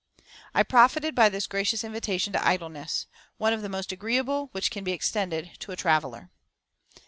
I profited by this gracious invitation to idleness one of the most agreeable which can be extended to a traveller.